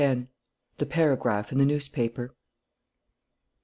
THE PARAGRAPH IN THE NEWSPAPER.